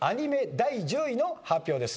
第９位の発表です。